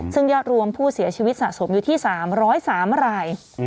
ซึ่งยอดรวมผู้เสียชีวิตสะสมอยู่ที่๓๐๓ราย